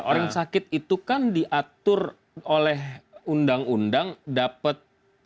orang sakit itu kan diatur oleh undang undang dapat